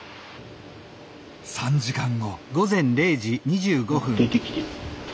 ３時間後。